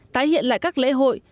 tái hiện lại các lễ hội